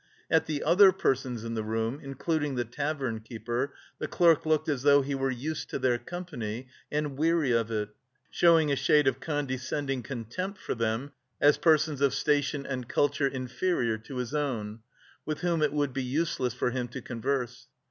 At the other persons in the room, including the tavern keeper, the clerk looked as though he were used to their company, and weary of it, showing a shade of condescending contempt for them as persons of station and culture inferior to his own, with whom it would be useless for him to converse.